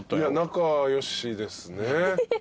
仲良しですね。